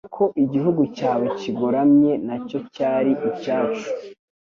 ko igihugu cyawe kigoramye nacyo cyari icyacu